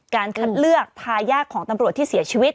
คัดเลือกทายาทของตำรวจที่เสียชีวิต